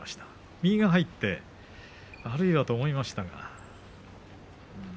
右が入ってあるいはと思いましたが。